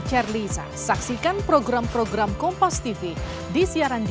kalau ada anggaran okelah ceritanya lain